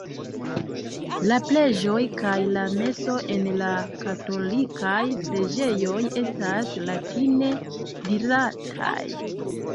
La preĝoj kaj la meso en la katolikaj preĝejoj estas latine dirataj.